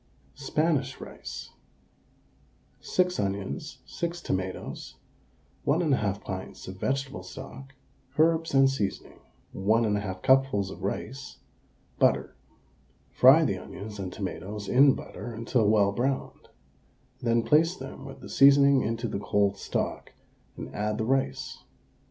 SPANISH RICE. 6 onions, 6 tomatoes, 1 1/2 pints of vegetable stock, herbs and seasoning, 1 1/2 cupfuls of rice, butter. Fry the onions and tomatoes in butter until well browned, then place them with the seasoning into the cold stock, and add the rice.